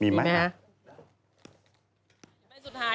มีไหมครับ